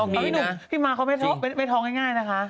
พี่มาเขาไปท้องง่ายนะคะ